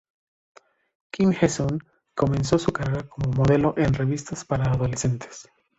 Kim Hee-sun comenzó su carrera como modelo en revistas para adolescentes.